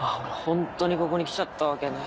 ホントにここに来ちゃったわけね。